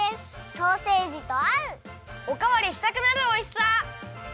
ソーセージとあう！おかわりしたくなるおいしさ！